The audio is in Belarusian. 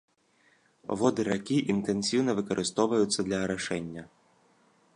Воды ракі інтэнсіўна выкарыстоўваюцца для арашэння.